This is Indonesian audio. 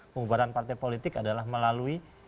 pembubaran partai politik adalah melalui